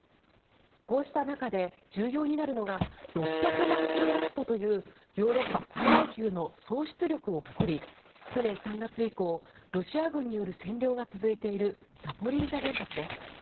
こうした中で重要になるのが６００万キロワットというヨーロッパ最大級の総出力を誇り去年３月以降ロシア軍による占領が続いているザポリージャ原発です。